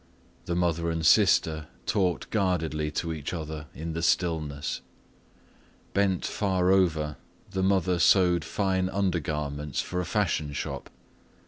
The mother and sister talked guardedly to each other in the stillness. Bent far over, the mother sewed fine undergarments for a fashion shop.